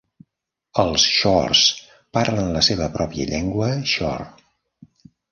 Els shors parlen la seva pròpia llengua shor.